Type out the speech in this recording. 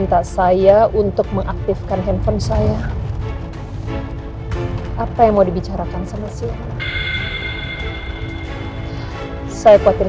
dan saya hanya menyimpan kenangan baik tentang itu